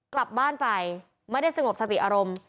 กลับบ้านไปไม่ได้สงบสติอารมณ์